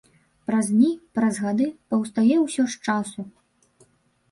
Праз дні, праз гады паўстае ўсё з часу!